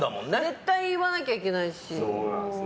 絶対言わなきゃいけないし。